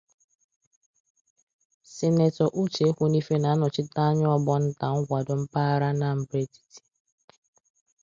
Sinetọ Uche Ekwunife na-anọchite anya ọgbọ nta nkwado mpaghara Anambra etiti